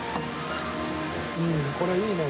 うんこれいいね。